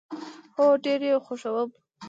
هو، ډیر یی خوښوم